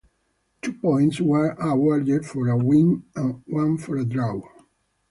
Two points were awarded for a win and one for a draw.